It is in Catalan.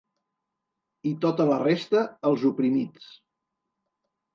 I tota la resta, els oprimits.